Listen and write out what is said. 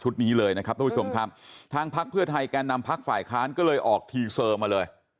นี้เลยนะครับทุกผู้ชมครับทางพักเพื่อไทยแก่นำพักฝ่ายค้านก็เลยออกทีเซอร์มาเลย